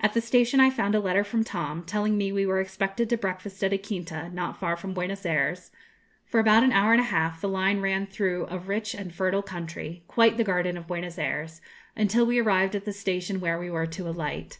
At the station I found a letter from Tom, telling me we were expected to breakfast at a quinta, not far from Buenos Ayres. For about an hour and a half the line ran through a rich and fertile country, quite the garden of Buenos Ayres, until we arrived at the station where we were to alight.